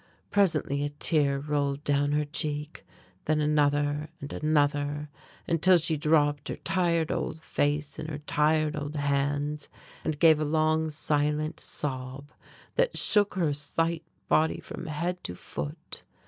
Presently a tear rolled down her cheek, then another, and another until she dropped her tired old face in her tired old hands, and gave a long silent sob that shook her slight body from head to foot.